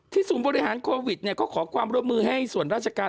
ศูนย์บริหารโควิดก็ขอความร่วมมือให้ส่วนราชการ